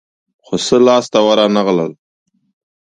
خو څه لاس ته ورنه غلل.